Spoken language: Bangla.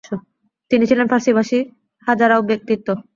তিনি ছিলেন ফার্সি ভাষী হাজারা ব্যক্তিত্ব।